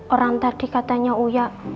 orang tadi katanya uya